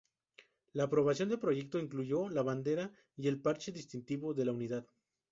La aprobación del proyecto incluyó la Bandera y el Parche distintivo de la Unidad.